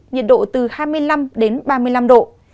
nhiệt độ từ hai mươi năm đến ba mươi năm độ